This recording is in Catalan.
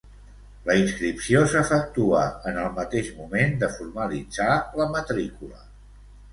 La inscripció s'efectua en el mateix moment de formalitzar la matrícula.